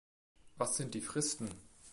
Was sind die Fristen?